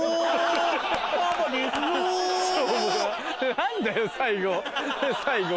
何だよ最後最後。